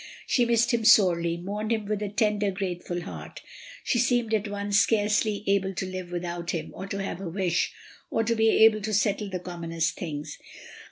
She missed him sorely, mourned him with a tender, grateful heart; she seemed at first scarcely able to live without him, or to have a wish, or to be able to settle the commonest things.